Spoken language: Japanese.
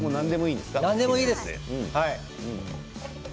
何でもいいです。